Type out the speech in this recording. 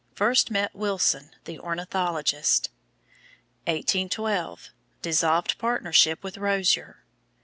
First met Wilson, the ornithologist. 1812 Dissolved partnership with Rozier.